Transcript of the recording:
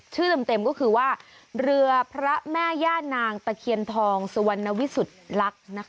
เต็มก็คือว่าเรือพระแม่ย่านางตะเคียนทองสุวรรณวิสุทธิ์ลักษณ์